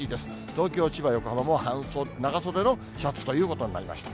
東京、千葉、横浜も、長袖のシャツということになりました。